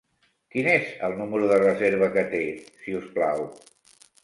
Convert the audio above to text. Quin és el número de reserva que té, si us plau?